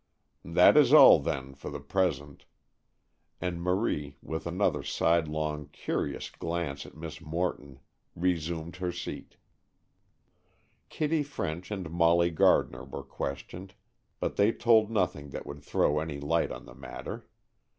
"That is all, then, for the present;" and Marie, with another sidelong, curious glance at Miss Morton, resumed her seat. Kitty French and Molly Gardner were questioned, but they told nothing that would throw any light on the matter.